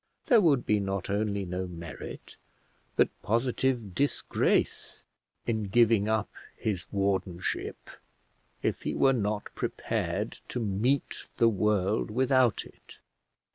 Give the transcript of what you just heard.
There would be not only no merit, but positive disgrace, in giving up his wardenship, if he were not prepared to meet the world without it.